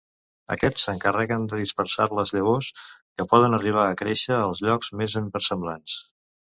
Aquests s'encarreguen de dispersar les llavors, que poden arribar a créixer als llocs més inversemblants.